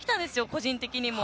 個人的にも。